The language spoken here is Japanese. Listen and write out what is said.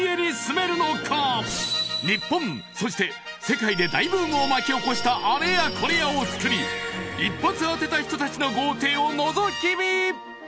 ［日本そして世界で大ブームを巻き起こしたあれやこれやをつくり一発当てた人たちの豪邸を覗き見！］